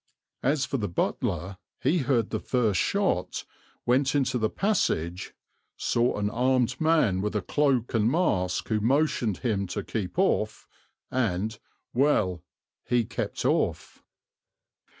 As for the butler, he heard the first shot, went into the passage, "saw an armed man with a cloak and mask who motioned him to keep off," and well, he kept off.